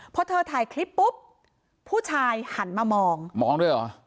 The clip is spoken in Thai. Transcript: พอเธอถ่ายคลิปปุ๊บผู้ชายหันมามองมองด้วยเหรอ